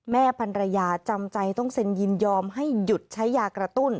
พันรยาจำใจต้องเซ็นยินยอมให้หยุดใช้ยากระตุ้น